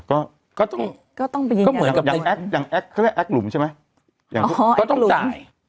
ก็ต้องก็เหมือนกับอย่างอย่างใช่ไหมอย่างก็ต้องจ่าย